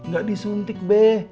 gak disuntik be